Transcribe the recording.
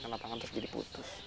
kena tangan terus jadi putus